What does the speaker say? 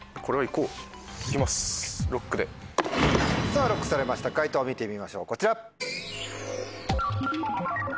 さぁＬＯＣＫされました解答見てみましょうこちら。